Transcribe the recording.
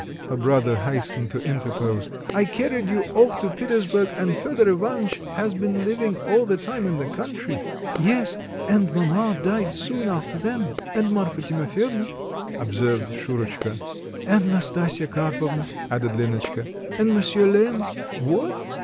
her brother hastened to interpose. "I carried you off to Petersburg, and Fedor Ivanitch has been living all the time in the country." "Yes, and mamma died soon after then." "And Marfa Timofyevna," observed Shurotchka. "And Nastasya Karpovna," added Lenotchka, "and Monsier Lemm." "What?